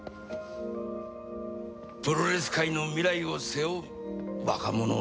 プロレス界の未来を背負う若者を育てたい。